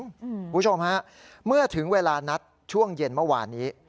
คุณผู้ชมฮะเมื่อถึงเวลานัดช่วงเย็นเมื่อวานนี้